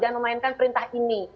jangan memainkan perintah ini